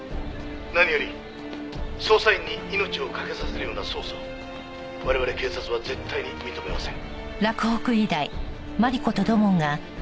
「何より捜査員に命を懸けさせるような捜査を我々警察は絶対に認めません」